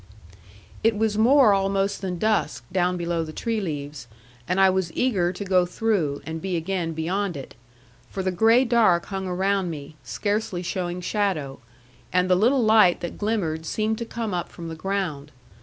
'It was more almost than dusk, down below the tree leaves, and I was eager to go through, and be again beyond it. For the gray dark hung around me, scarcely showing shadow; and the little light that glimmered seemed to come up from the ground.